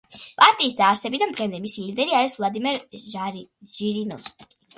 პარტიის დაარსებიდან დღემდე მისი ლიდერი არის ვლადიმერ ჟირინოვსკი.